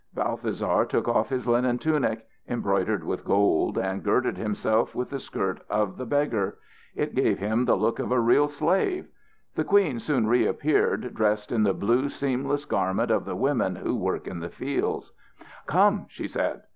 Balthasar took off his linen tunic embroidered with gold and girded himself with the skirt of the beggar. It gave him the look of a real slave. The queen soon reappeared dressed in the blue seamless garment of the women who work in the fields. "Come!" she said.